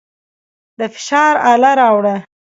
د فشار اله راوړه.